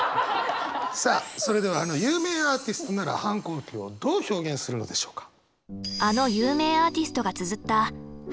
さあそれではあの有名アーティストなら反抗期をどう表現するのでしょうか。